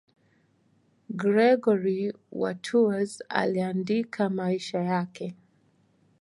Gregori wa Tours aliandika maisha yake.